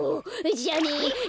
じゃあね。